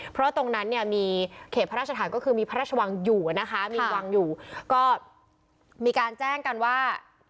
เพราะตรงนั้นมีเขตพระราชฐานคือมีพระราชวังอยู่ก็มีการแจ้งกันว่า